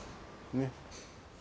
ねっ。